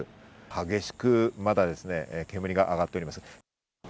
激しくまだ煙が上がっています。